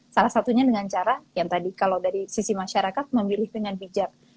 salah satunya dengan cara yang tadi kalau dari sisi masyarakat memilih dengan bijak